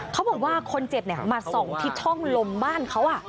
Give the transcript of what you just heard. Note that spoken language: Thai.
เขาบอกว่าคนเจ็บมาส่องที่ช่องลมบ้านเขา